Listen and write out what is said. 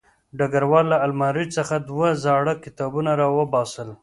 ډګروال له المارۍ څخه دوه زاړه کتابونه راوباسل